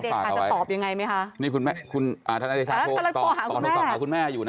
โมอัมินาเขารู้